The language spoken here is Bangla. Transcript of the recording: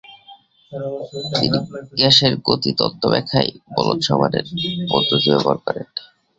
তিনি গ্যাসের গতি তত্ত্ব ব্যাখ্যায় বোলৎসমানের পদ্ধতি ব্যবহার করেন।